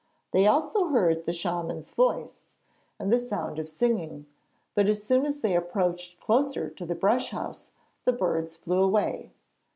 They also heard the shaman's voice and the sound of singing, but as soon as they approached closer to the brush house, the birds flew away.